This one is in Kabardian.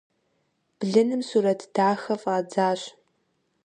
Блыным сурэт дахэ фӀадзащ.